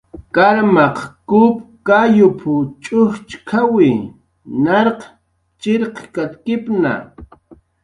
"Kawmaq kup kayup"" ch'ujchk""aw narq chirkatkipna"